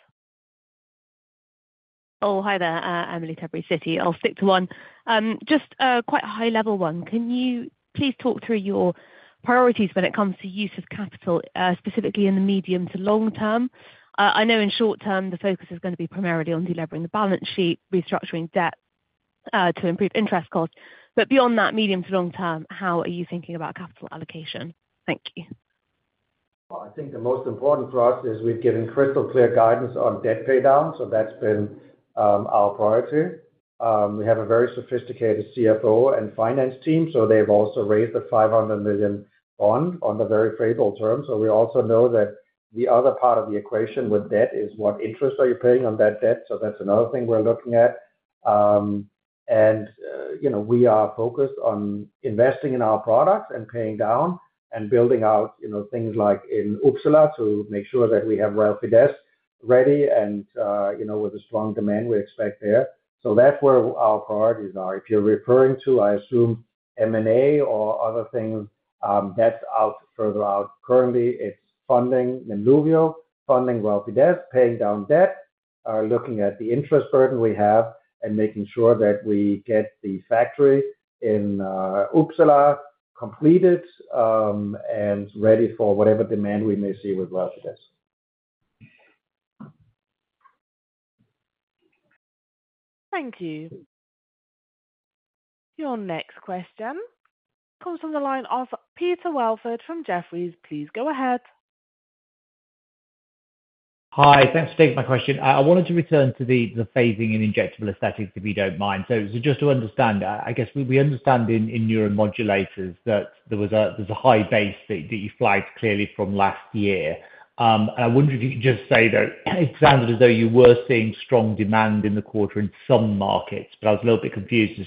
Oh, hi there, Emily Tedbury, Citi. I'll stick to one. Just a quite high level one. Can you please talk through your priorities when it comes to use of capital, specifically in the medium to long term? I know in short term, the focus is gonna be primarily on delevering the balance sheet, restructuring debt, to improve interest costs. But beyond that medium to long term, how are you thinking about capital allocation? Thank you. I think the most important for us is we've given crystal clear guidance on debt paydown, so that's been our priority. We have a very sophisticated CFO and finance team, so they've also raised the $500 million bond on the very favorable terms. So we also know that the other part of the equation with debt is what interest are you paying on that debt? So that's another thing we're looking at. And you know, we are focused on investing in our products and paying down and building out, you know, things like in Uppsala, to make sure that we have Relfydess ready and you know, with the strong demand we expect there. So that's where our priorities are. If you're referring to, I assume, M&A or other things, that's out, further out. Currently, it's funding Nemluvio, funding Relfydess, paying down debt, looking at the interest burden we have and making sure that we get the factory in Uppsala completed, and ready for whatever demand we may see with Relfydess. Thank you. Your next question comes from the line of Peter Welford from Jefferies. Please go ahead. ... Hi, thanks for taking my question. I wanted to return to the phasing and injectable aesthetics, if you don't mind. So just to understand, I guess we understand in neuromodulators that there was a high base that you flagged clearly from last year. And I wonder if you could just say that it sounded as though you were seeing strong demand in the quarter in some markets, but I was a little bit confused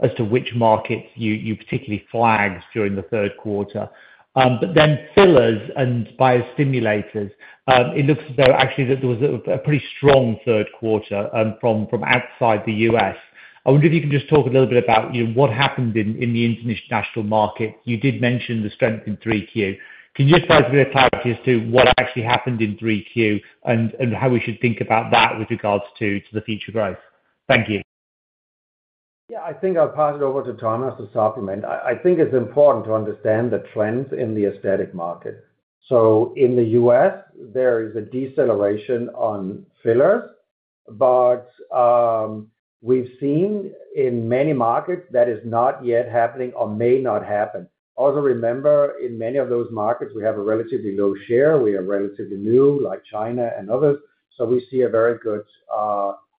as to which markets you particularly flagged during the third quarter. But then fillers and biostimulators, it looks as though actually that there was a pretty strong third quarter from outside the U.S. I wonder if you can just talk a little bit about, you know, what happened in the international market. You did mention the strength in three Q. Can you just provide a bit of clarity as to what actually happened in three Q and how we should think about that with regards to the future growth? Thank you. Yeah, I think I'll pass it over to Thomas to supplement. I think it's important to understand the trends in the aesthetic market. So in the U.S., there is a deceleration on fillers, but we've seen in many markets that is not yet happening or may not happen. Also, remember, in many of those markets, we have a relatively low share. We are relatively new, like China and others, so we see a very good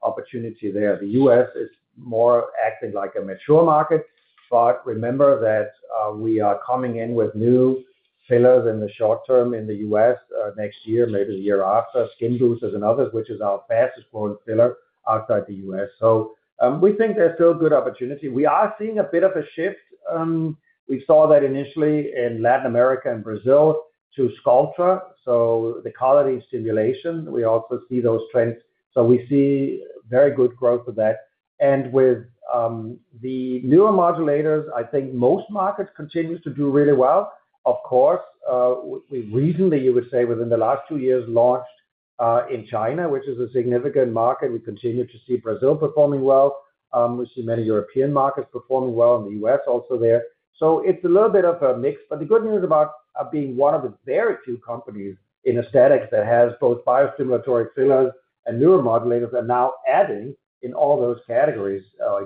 opportunity there. The U.S. is more acting like a mature market, but remember that we are coming in with new fillers in the short term in the U.S., next year, maybe the year after, skin boosters and others, which is our fastest growing filler outside the U.S. So, we think there's still good opportunity. We are seeing a bit of a shift. We saw that initially in Latin America and Brazil to Sculptra, so the collagen stimulation. We also see those trends. So we see very good growth with that. And with the neuromodulators, I think most markets continues to do really well. Of course, we recently, you would say, within the last two years, launched in China, which is a significant market. We continue to see Brazil performing well. We see many European markets performing well, in the US also there. So it's a little bit of a mix, but the good news about being one of the very few companies in aesthetics that has both biostimulatory fillers and neuromodulators are now adding in all those categories,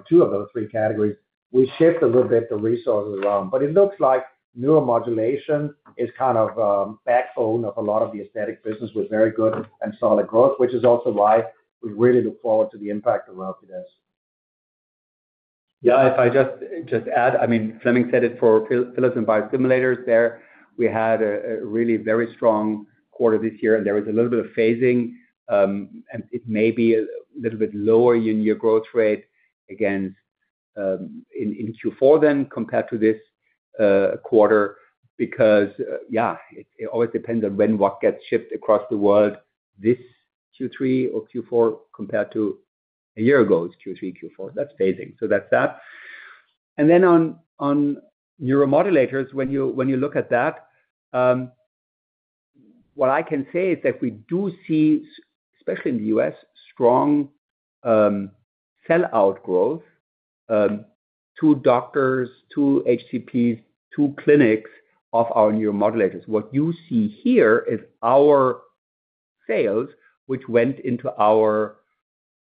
two of those three categories. We shift a little bit the resources around. But it looks like neuromodulation is kind of backbone of a lot of the aesthetic business, with very good and solid growth, which is also why we really look forward to the impact of Relfydess. Yeah, if I just add, I mean, Flemming said it for fillers and biostimulators there. We had a really very strong quarter this year, and there was a little bit of phasing, and it may be a little bit lower year-on-year growth rate against in Q4 than compared to this quarter, because, yeah, it always depends on when what gets shipped across the world. This Q3 or Q4, compared to a year ago, it's Q3, Q4. That's phasing. So that's that. And then on neuromodulators, when you look at that, what I can say is that we do see, especially in the U.S., strong sell-out growth to doctors, to HCPs, to clinics of our neuromodulators. What you see here is our sales, which went into our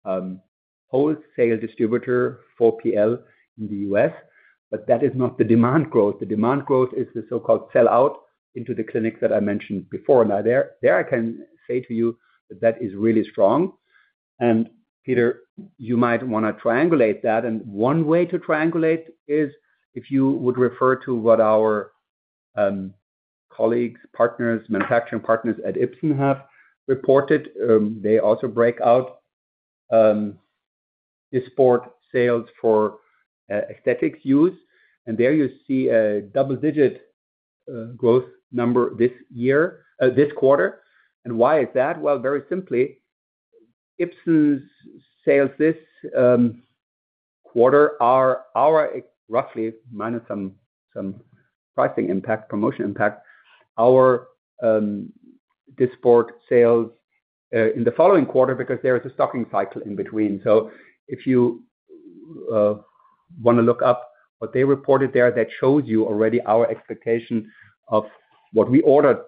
wholesale distributor, 4PL, in the U.S., but that is not the demand growth. The demand growth is the so-called sell-out into the clinics that I mentioned before. Now, there I can say to you that that is really strong. And Peter, you might want to triangulate that, and one way to triangulate is if you would refer to what our colleagues, partners, manufacturing partners at Ipsen have reported. They also break out the Dysport sales for aesthetics use, and there you see a double digit growth number this quarter. And why is that? Very simply, Ipsen's sales this quarter are roughly minus some pricing impact, promotion impact, our Dysport sales in the following quarter because there is a stocking cycle in between. So if you want to look up what they reported there, that shows you already our expectation of what we ordered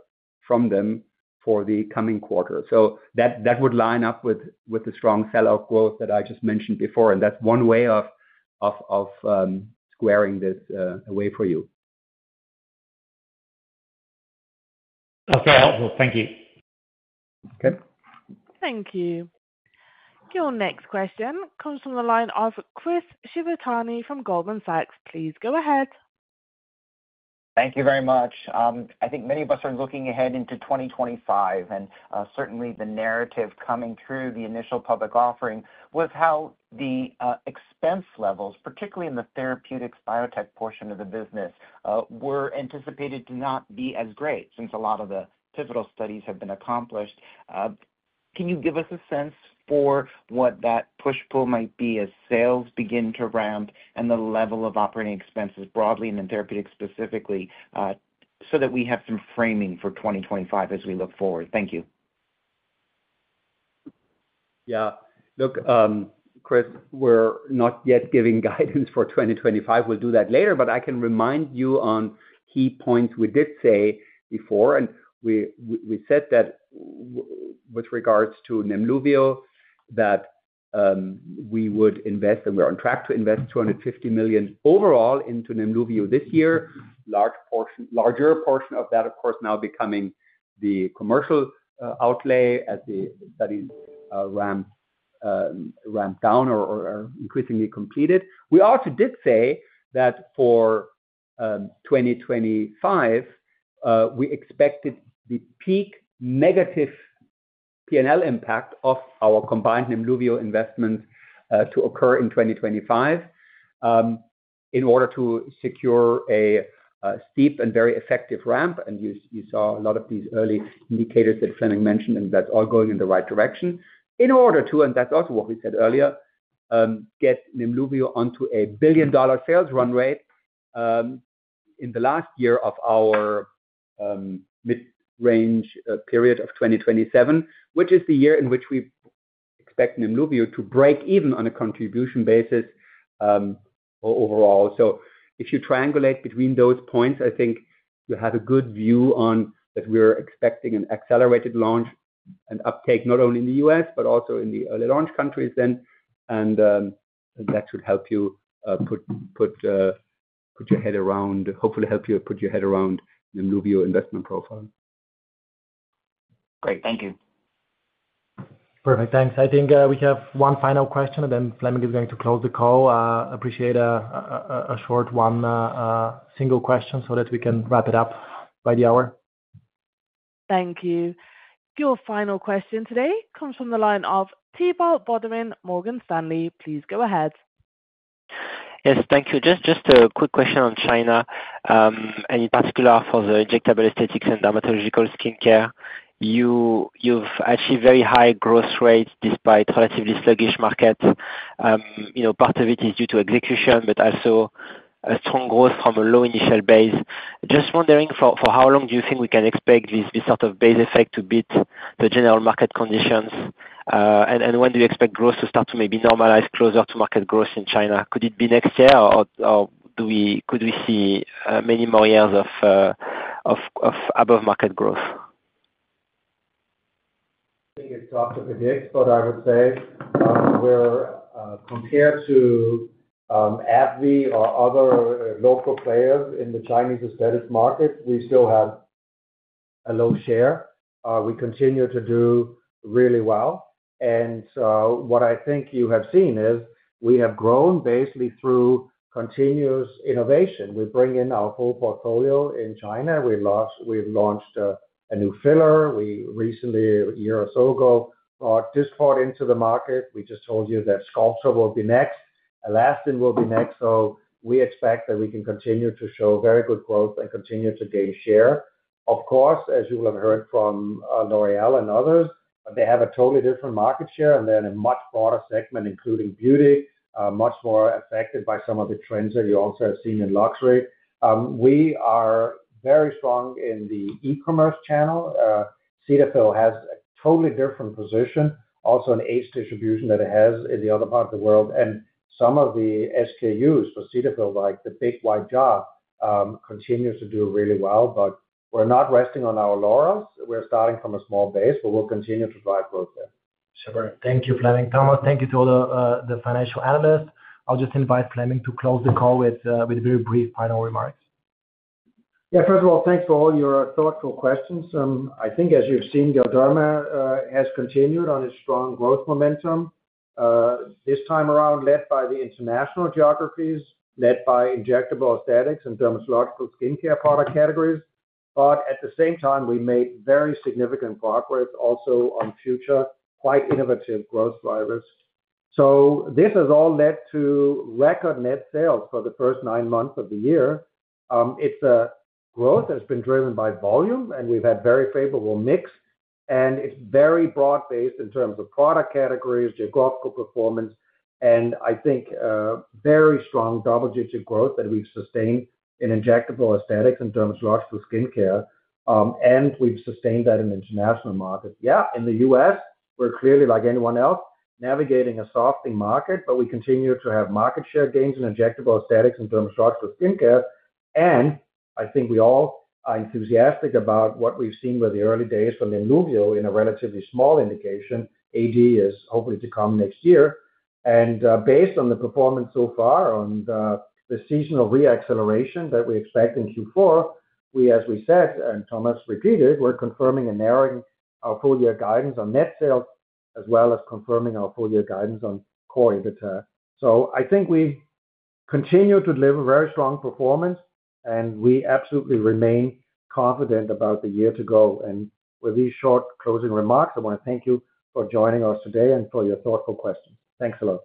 from them for the coming quarter. So that would line up with the strong sell-out growth that I just mentioned before, and that's one way of squaring this away for you. Okay, helpful. Thank you. Okay. Thank you. Your next question comes from the line of Chris Shibutani from Goldman Sachs. Please go ahead. Thank you very much. I think many of us are looking ahead into 2025, and certainly the narrative coming through the initial public offering was how the expense levels, particularly in the therapeutics biotech portion of the business, were anticipated to not be as great, since a lot of the pivotal studies have been accomplished. Can you give us a sense for what that push-pull might be as sales begin to ramp and the level of operating expenses broadly, and in therapeutics specifically, so that we have some framing for 2025 as we look forward? Thank you. Yeah. Look, Chris, we're not yet giving guidance for 2025. We'll do that later, but I can remind you on key points we did say before, and we said that with regards to Nemluvio, that-... we would invest, and we're on track to invest $250 million overall into Nemluvio this year. Larger portion of that, of course, now becoming the commercial outlay as the studies ramp down or are increasingly completed. We also did say that for 2025, we expected the peak negative P&L impact of our combined Nemluvio investment to occur in 2025. In order to secure a steep and very effective ramp, and you saw a lot of these early indicators that Flemming mentioned, and that's all going in the right direction. In order to, and that's also what we said earlier, get Nemluvio onto a billion-dollar sales runway, in the last year of our mid-range period of 2027, which is the year in which we expect Nemluvio to break even on a contribution basis, or overall. So if you triangulate between those points, I think you have a good view on that we're expecting an accelerated launch and uptake, not only in the U.S., but also in the early launch countries then, and that should help you put your head around Nemluvio's investment profile. Great, thank you. Perfect. Thanks. I think we have one final question, and then Flemming is going to close the call. Appreciate a short one, single question so that we can wrap it up by the hour. Thank you. Your final question today comes from the line of Thibault Boutherin, Morgan Stanley. Please go ahead. Yes, thank you. Just a quick question on China, and in particular for the injectable aesthetics and dermatological skincare. You've achieved very high growth rates despite relatively sluggish markets. You know, part of it is due to execution, but also a strong growth from a low initial base. Just wondering for how long do you think we can expect this sort of base effect to beat the general market conditions? And when do you expect growth to start to maybe normalize closer to market growth in China? Could it be next year, or could we see many more years of above market growth? I think it's tough to predict, but I would say, we're compared to AbbVie or other local players in the Chinese aesthetics market, we still have a low share. We continue to do really well, and so what I think you have seen is, we have grown basically through continuous innovation. We bring in our full portfolio in China. We've launched a new filler. We recently, a year or so ago, brought this product into the market. We just told you that Sculptra will be next, Alastin will be next. So we expect that we can continue to show very good growth and continue to gain share. Of course, as you will have heard from L'Oréal and others, they have a totally different market share, and they're in a much broader segment, including beauty, much more affected by some of the trends that you also have seen in luxury. We are very strong in the e-commerce channel. Cetaphil has a totally different position, also an ex-U.S. distribution that it has in the other part of the world, and some of the SKUs for Cetaphil, like the big white jar, continues to do really well, but we're not resting on our laurels. We're starting from a small base, but we'll continue to drive growth there. Super. Thank you, Flemming. Thomas, thank you to all the financial analysts. I'll just invite Flemming to close the call with a very brief final remarks. Yeah. First of all, thanks for all your thoughtful questions. I think as you've seen, Galderma has continued on its strong growth momentum this time around, led by the international geographies, led by injectable aesthetics and dermatological skincare product categories, but at the same time, we made very significant progress also on future, quite innovative growth drivers, so this has all led to record net sales for the first nine months of the year. It's a growth that's been driven by volume, and we've had very favorable mix, and it's very broad-based in terms of product categories, geographical performance, and I think very strong double-digit growth that we've sustained in injectable aesthetics and dermatological skincare, and we've sustained that in international markets. Yeah, in the U.S., we're clearly, like anyone else, navigating a softening market, but we continue to have market share gains in injectable aesthetics and dermatological skincare. I think we all are enthusiastic about what we've seen with the early days from Nemluvio in a relatively small indication. AD is hopefully to come next year, and based on the performance so far on the seasonal re-acceleration that we expect in Q4, we, as we said, and Thomas repeated, we're confirming and narrowing our full year guidance on net sales, as well as confirming our full year guidance on Core EBITDA. I think we continue to deliver very strong performance, and we absolutely remain confident about the year to go. With these short closing remarks, I want to thank you for joining us today and for your thoughtful questions. Thanks a lot.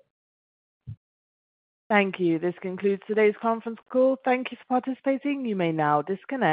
Thank you. This concludes today's conference call. Thank you for participating. You may now disconnect.